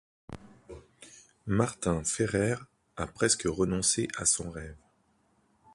Martin Ferrer a presque renoncé à son rêve.